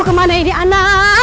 kemana ini anak